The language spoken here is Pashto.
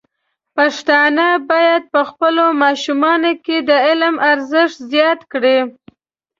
پښتانه بايد په خپلو ماشومانو کې د علم ارزښت زیات کړي.